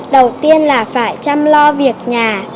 đầu tiên là phải chăm lo việc nhà